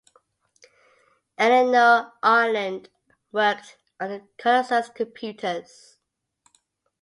Eleanor Ireland worked on the Colossus computers.